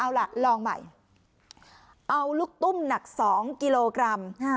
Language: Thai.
เอาล่ะลองใหม่เอาลูกตุ้มหนัก๒กิโลกรัม